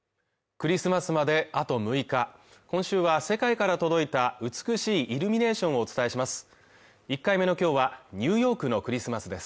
クリスマスまであと６日今週は世界から届いた美しいイルミネーションをお伝えします